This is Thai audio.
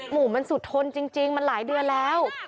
หมู่มันสุดทนจริงมันหลายเดือนแล้ว